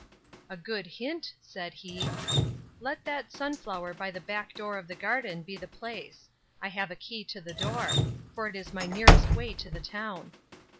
—A good hint, said he; let that sunflower by the back door of the garden be the place; I have a key to the door; for it is my nearest way to the town.